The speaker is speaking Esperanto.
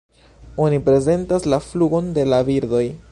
Oni prezentas la flugon de la birdoj.